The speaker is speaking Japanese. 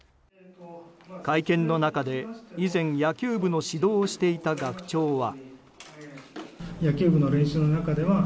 会見の中で、以前、野球部の指導をしていた学長は。